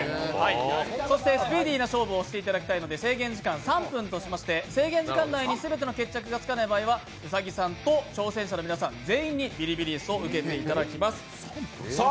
そしてスピーディーな勝負をしていただきたいので制限時間３分としまして、制限時間内に全ての決着がつかない場合は兎さんと挑戦者の皆さん、全員にビリビリ椅子を受けていただきます。